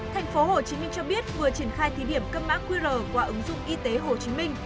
thành phố hồ chí minh cho biết vừa triển khai thí điểm cấp mã qr qua ứng dụng y tế hồ chí minh